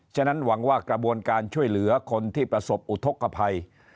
ฉะนั้นหวังว่ากระบวนการช่วยเหลือคนที่ประสบอุทธกภัย